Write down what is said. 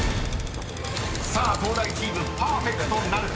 ［さあ東大チームパーフェクトなるか？］